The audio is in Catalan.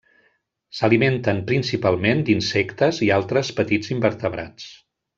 S'alimenten principalment d'insectes i altres petits invertebrats.